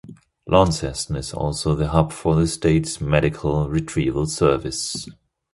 Launceston is also the hub for the state's medical retrieval service.